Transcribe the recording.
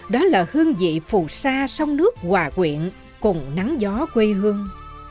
đó là hương vị phù sa sông nước hòa quyện cùng nắng gió quê hương